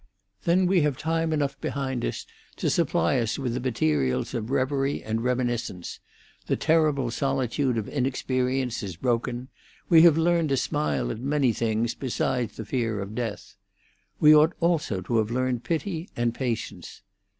Then we have time enough behind us to supply us with the materials of reverie and reminiscence; the terrible solitude of inexperience is broken; we have learned to smile at many things besides the fear of death. We ought also to have learned pity and patience.